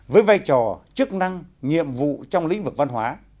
với vai trò chức năng nhiệm vụ trong lĩnh vực văn hóa